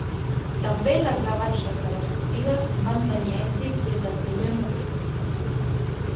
També les rebaixes de les botigues van tenir èxit des del primer moment.